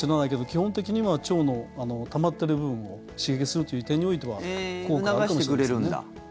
基本的には腸のたまってる部分を刺激するという点においては促してくれるんだ。